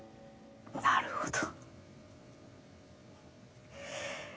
なるほど。